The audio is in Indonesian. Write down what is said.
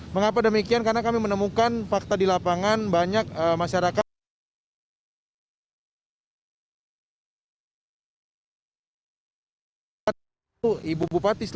mengapa demikian karena kami menemukan fakta di lapangan banyak masyarakat